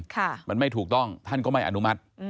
ค่ะมันไม่ถูกต้องท่านก็ไม่อนุมัติ